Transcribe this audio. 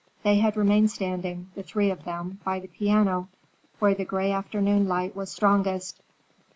They had remained standing, the three of them, by the piano, where the gray afternoon light was strongest.